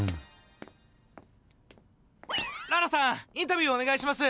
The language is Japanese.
ララさんインタビューおねがいします。